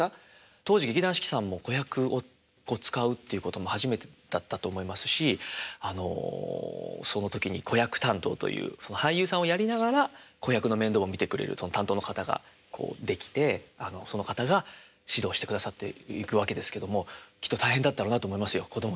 当時劇団四季さんも子役を使うっていうことも初めてだったと思いますしあのその時に子役担当という俳優さんをやりながら子役の面倒を見てくれる担当の方がこうできてその方が指導してくださっていくわけですけどもきっと大変だったろうなと思いますよ子供たちは。